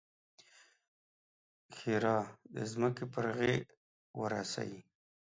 ښېرا: د ځمکې پر غېږ ورسئ!